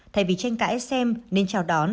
thay vì tranh cãi xem nên chào đón